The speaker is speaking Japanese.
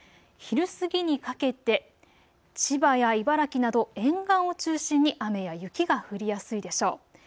昼過ぎにかけて千葉や茨城など沿岸を中心に雨や雪が降りやすいでしょう。